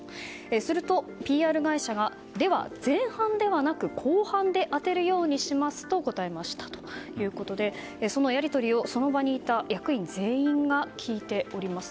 すると、ＰＲ会社がでは前半ではなく後半で当てるようにしますと答えましたということでそのやり取りを、その場にいた役員全員が聞いております。